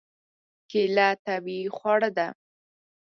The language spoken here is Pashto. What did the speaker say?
کېله طبیعي خواړه ده.